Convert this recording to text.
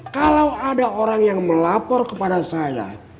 kalau ada orang yang melapor kepada saya